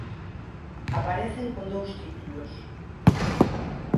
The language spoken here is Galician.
Aparecen con dous títulos.